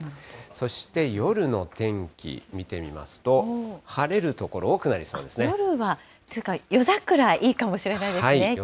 そして夜の天気見てみますと、晴夜は、夜桜、いいかもしれないですね、金曜日。